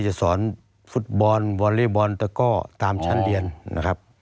ได้โพสต์เฟสบุ๊คนะครับทุกผู้ชมครับ